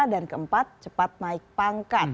dan keempat cepat naik pangkat